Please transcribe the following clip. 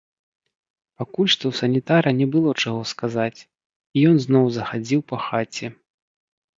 Пакуль што ў санітара не было чаго сказаць, і ён зноў захадзіў па хаце.